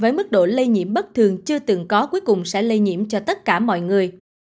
với mức độ lây nhiễm bất thường chưa từng có cuối cùng sẽ lây nhiễm cho tất cả mọi người